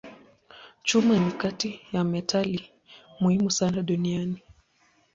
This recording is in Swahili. Chuma ni kati ya metali muhimu sana duniani.